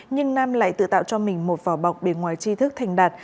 nhưng nam lại tự tạo cho mình một vỏ bọc bề ngoài chi thức thành đạt